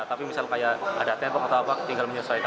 tapi misal kayak ada tempok atau apa tinggal menyesuaikan